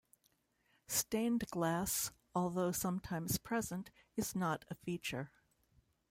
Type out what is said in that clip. Stained glass, although sometimes present, is not a feature.